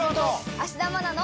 芦田愛菜の。